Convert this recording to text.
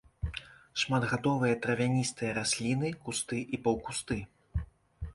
Шматгадовыя травяністыя расліны, кусты і паўкусты.